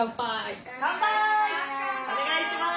お願いします。